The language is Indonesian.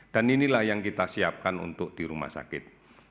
dan inilah yang kita siapkan untuk di rumah sakit